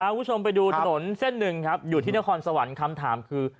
คุณผู้ชมไปดูถนนเส้นหนึ่งครับอยู่ที่นครสวรรค์คำถามคือ